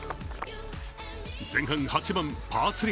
前半８番、パー３。